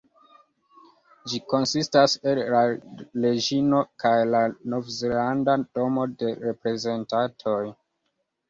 Ĝi konsistas el la Reĝino kaj la Novzelanda Domo de Reprezentantoj.